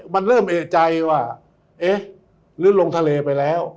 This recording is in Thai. มันเริ่มเอกใจว่าเอ๊ะหรือลงทะเลไปแล้ว